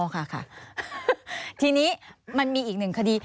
ค่ะทีนี้มันมีอีกหนึ่งคดี